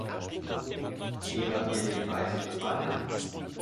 Wie hat dir die Reise gefallen?